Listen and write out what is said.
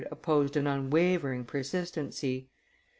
opposed an unwavering persistency.